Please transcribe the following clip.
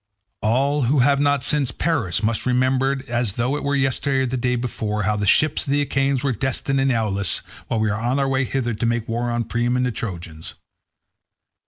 "All who have not since perished must remember as though it were yesterday or the day before, how the ships of the Achaeans were detained in Aulis when we were on our way hither to make war on Priam and the Trojans.